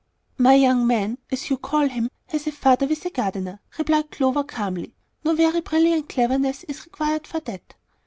"My young man, as you call him, has a father with a gardener," replied Clover, calmly; "no very brilliant cleverness is required for that."